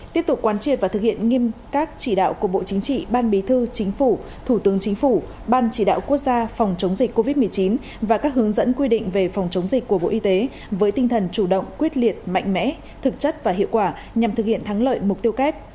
tiếp tục quan triệt và thực hiện nghiêm các chỉ đạo của bộ chính trị ban bí thư chính phủ thủ tướng chính phủ ban chỉ đạo quốc gia phòng chống dịch covid một mươi chín và các hướng dẫn quy định về phòng chống dịch của bộ y tế với tinh thần chủ động quyết liệt mạnh mẽ thực chất và hiệu quả nhằm thực hiện thắng lợi mục tiêu kép